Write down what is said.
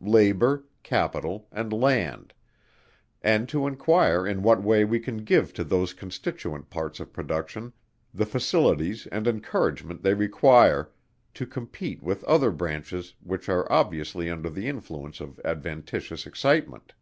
Labour, Capital and Land, and to enquire in what way we can give to those constituent parts of production, the facilities and encouragement they require, to compete with other branches which are obviously under the influence of adventitious excitement.